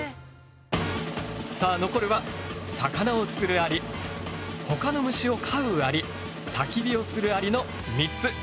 さあ残るは魚をつるアリほかの虫を飼うアリたき火をするアリの３つ。